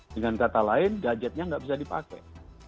dengan kata lain gadgetnya nggak bisa dipakai